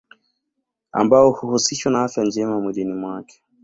Ambao huhusishwa na afya njema mwilini mwake